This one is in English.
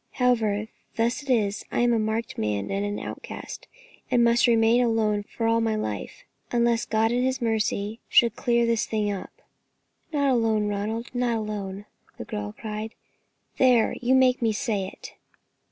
However, thus it is. I am a marked man and an outcast, and must remain alone for all my life, unless God in His mercy should clear this thing up." "Not alone, Ronald, not alone," the girl cried "there, you make me say it."